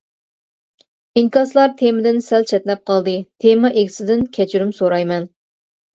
ئىنكاسلار تېمىدىن سەل چەتنەپ قالدى، تېما ئىگىسىدىن كەچۈرۈم سورايمەن.